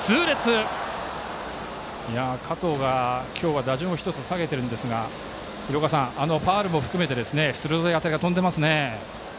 加藤が今日は打順を１つ下げてるんですがファウルも含めて鋭い当たりが飛んでいますね。